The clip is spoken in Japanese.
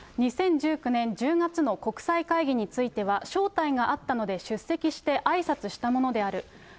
２０１９年１０月の国際会議については、招待があったので出席してあいさつしたものである。